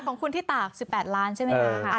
ของคุณที่ตาก๑๘ล้านใช่ไหมคะ